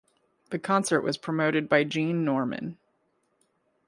The concert was promoted by Gene Norman.